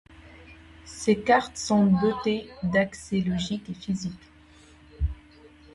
Ces cartes sont dotées d'accès logique et physique.